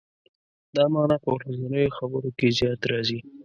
دا معنا په ورځنیو خبرو کې زیات راځي.